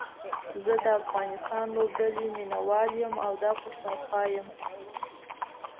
زه دا افغانستان لوبډلې ميناوال يم او دا پښتونخوا يم